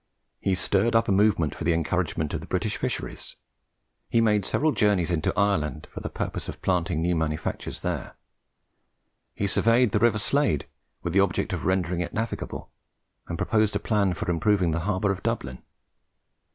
He stirred up a movement for the encouragement of the British fisheries. He made several journeys into Ireland for the purpose of planting new manufactures there. He surveyed the River Slade with the object of rendering it navigable, and proposed a plan for improving the harbour of Dublin.